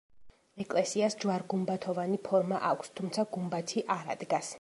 ეკლესიას ჯვარ-გუმბათოვანი ფორმა აქვს, თუმცა გუმბათი არ ადგას.